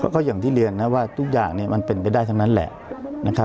ก็อย่างที่เรียกนะว่าทุกอย่างมันเป็นไปได้ทั้งนั้นแหละ